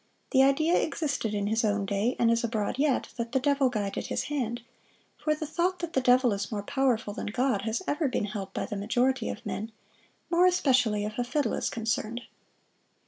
The idea existed in his own day, and is abroad yet, that "the devil guided his hand," for the thought that the devil is more powerful than God has ever been held by the majority of men more especially if a fiddle is concerned.